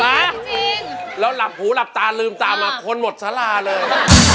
มาแล้วหลับผูหลับตาลืมตามาคนหมดซ้าล่าเลย